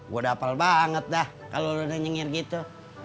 gue dapel banget dah kalau lo nyingir gitu